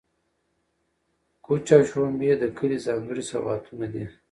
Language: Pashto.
کوچ او شړومبې د کلي ځانګړي سوغاتونه دي.